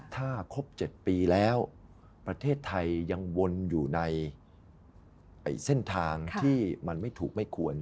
ถ้าครบ๗ปีแล้วประเทศไทยยังวนอยู่ในเส้นทางที่มันไม่ถูกไม่ควร